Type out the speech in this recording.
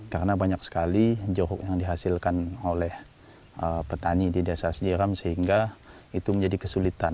karena banyak sekali jeruk yang dihasilkan oleh petani di desa sejiram sehingga itu menjadi kesulitan